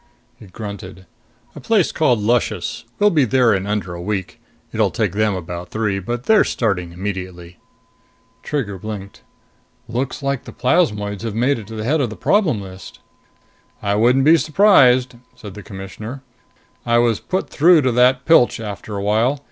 He grunted. "A place called Luscious. We'll be there in under a week. It'll take them about three. But they're starting immediately." Trigger blinked. "Looks like the plasmoids have made it to the head of the problem list!" "I wouldn't be surprised," said the Commissioner. "I was put through to that Pilch after a while.